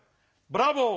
ブラボー。